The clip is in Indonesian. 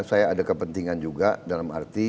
saya ada kepentingan juga dalam arti